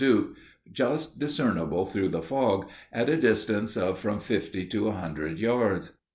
] Duke, just discernible through the fog, at a distance of from fifty to a hundred yards.